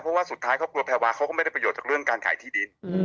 เพราะว่าสุดท้ายครอบครัวแพรวาเขาก็ไม่ได้ประโยชน์จากเรื่องการขายที่ดิน